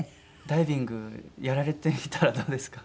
ダイビングやられてみたらどうですか？